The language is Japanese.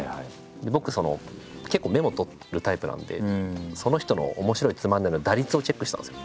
僕結構メモを取るタイプなんでその人の面白いつまんないの打率をチェックしたんですよ。